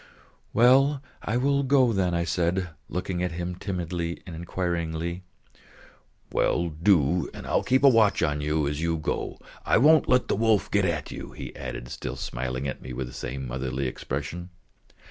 "Well, I will go then," I said, looking at him timidly and inquiringly. "Well, do, and I'll keep watch on you as you go. I won't let the wolf get at you," he added, still smiling at me with the same motherly expression.